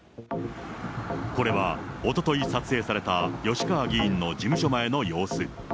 これはおととい撮影された、吉川議員の事務所前の様子。